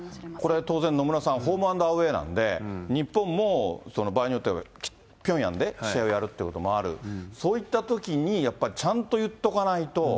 これ、当然、野村さん、ホームアンドアウエーなんで、日本も場合によっては、ピョンヤンで試合をやるということもある、そういったときにやっぱりちゃんと言っとかないと。